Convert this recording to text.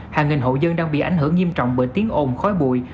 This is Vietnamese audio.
hàng nghìn hộ dân đang bị ảnh hưởng nghiêm trọng bởi tiếng ồn khói bụi